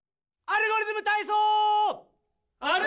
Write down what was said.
「アルゴリズムたいそう」！